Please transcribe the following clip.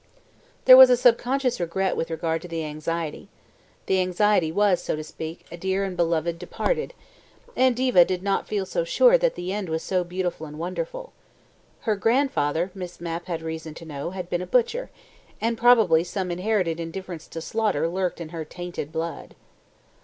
There was a subconscious regret with regard to the anxiety. The anxiety was, so to speak, a dear and beloved departed. ... And Diva did not feel so sure that the end was so beautiful and wonderful. Her grandfather, Miss Mapp had reason to know, had been a butcher, and probably some inherited indifference to slaughter lurked in her tainted blood.